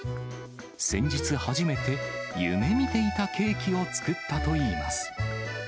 先日初めて、夢みていたケーキを作ったといいます。